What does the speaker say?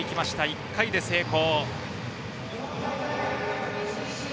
１回で成功。